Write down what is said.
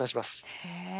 へえ。